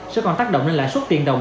sẽ còn tác động lên lãi suất tiền đồng